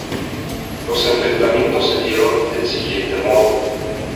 Los enfrentamientos se dieron del siguiente modo.